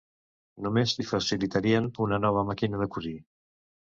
Només li facilitarien una nova màquina de cosir...